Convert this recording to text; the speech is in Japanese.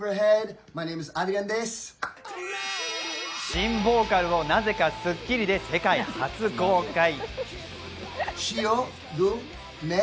新ボーカルをなぜか『スッキリ』で世界初公開。